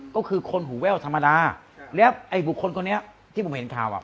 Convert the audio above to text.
ก็คือคนหูแว่วธรรมดาแล้วไอ้บุคคลคนนี้ที่ผมเห็นข่าวอ่ะ